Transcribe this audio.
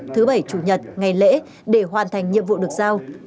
thứ bảy chủ nhật ngày lễ để hoàn thành nhiệm vụ được giao